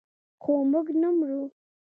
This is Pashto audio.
خو موږ نه مرو.